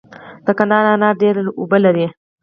د کندهار انار ډیرې اوبه لري.